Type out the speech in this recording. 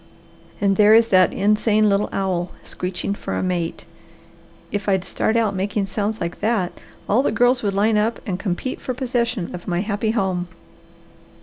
And there is that insane little owl screeching for a mate. If I'd start out making sounds like that, all the girls would line up and compete for possession of my happy home.